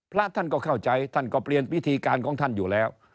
พระท่านก็เข้าใจท่านก็เปลี่ยนวิธีการของท่านอยู่แล้ว